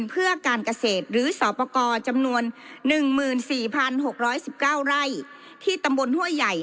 เพื่อการเกษตรหรือสอบประกอบจำนวน๑๔๖๑๙ไร่ที่ตำบลห้วยใหญ่